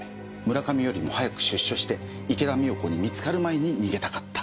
村上よりも早く出所して池田美代子に見つかる前に逃げたかった。